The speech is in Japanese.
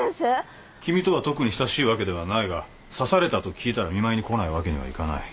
君とは特に親しいわけではないが刺されたと聞いたら見舞いに来ないわけにはいかない。